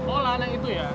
oh lahan yang itu ya